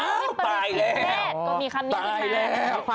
โอ๊ยปริศิเฮตก็มีคำนี้ออกมา